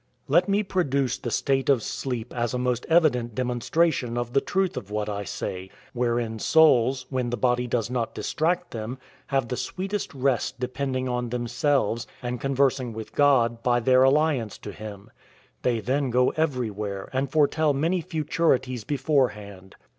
Let me produce the state of sleep as a most evident demonstration of the truth of what I say; wherein souls, when the body does not distract them, have the sweetest rest depending on themselves, and conversing with God, by their alliance to him; they then go every where, and foretell many futurities beforehand.